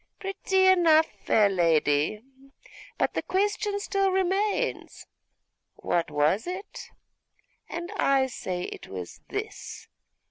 pretty enough, fair lady; but the question still remains, what was it? and I say it was this.